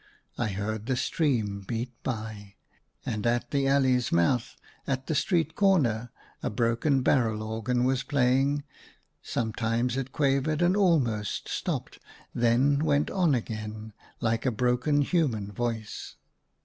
I heard the stream beat by. And at the alley's mouth, at the street corner, a broken barrel organ was playing; sometimes it quavered and almost stopped, then went on again, like a broken human voice.